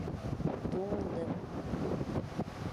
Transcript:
Туңдым!